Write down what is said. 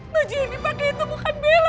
baju yang dipakai itu bukan belok